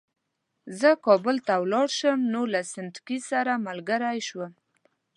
زه کابل ته ولاړ شم نو له سنډکي سره ملګری شوم.